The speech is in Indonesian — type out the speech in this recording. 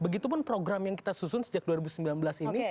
begitupun program yang kita susun sejak dua ribu sembilan belas ini